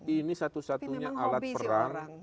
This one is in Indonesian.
ini satu satunya alat perang